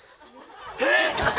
えっ！？